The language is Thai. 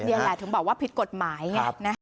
เดี๋ยวแหละถึงบอกว่าผิดกฎหมายไงนะ